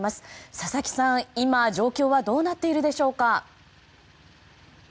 佐々木さん、今、状況はどうなっているでしょうか。